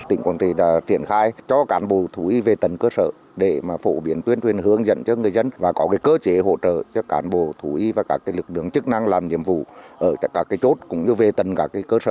tỉnh quảng trị đã triển khai cho cán bộ thủ y về tầng cơ sở để phổ biến tuyên truyền hướng dẫn cho người dân và có cơ chế hỗ trợ cho cán bộ thủ y và các lực lượng chức năng làm nhiệm vụ ở các chốt cũng như về tầng các cơ sở